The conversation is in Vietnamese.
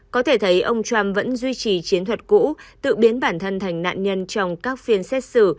có thể thấy ông trump vẫn duy trì chiến thuật cũ tự biến bản thân thành nạn nhân trong các phiên xét xử